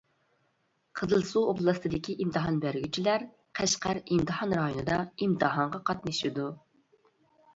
قىزىلسۇ ئوبلاستىدىكى ئىمتىھان بەرگۈچىلەر قەشقەر ئىمتىھان رايونىدا ئىمتىھانغا قاتنىشىدۇ.